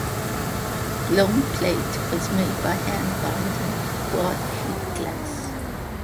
Blown plate was made by hand-grinding broad sheet glass.